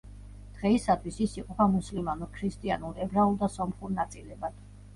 დღეისათვის, ის იყოფა მუსლიმანურ, ქრისტიანულ, ებრაულ და სომხურ ნაწილებად.